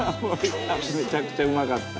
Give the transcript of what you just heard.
「めちゃくちゃうまかった」